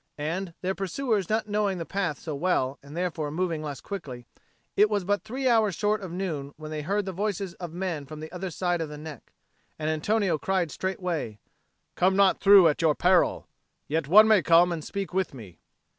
And, their pursuers not knowing the path so well and therefore moving less quickly, it was but three hours short of noon when they heard the voices of men from the other side of the neck. And Antonio cried straightway, "Come not through at your peril! Yet one may come and speak with me."